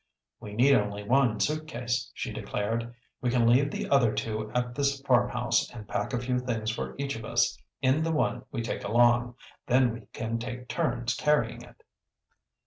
"We need only one suitcase," she declared. "We can leave the other two at this farmhouse and pack a few things for each of us in the one we take along. Then we can take turns carrying it."